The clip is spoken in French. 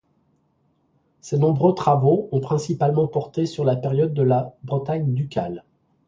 Ses nombreux travaux ont principalement porté sur la période de la Bretagne ducale.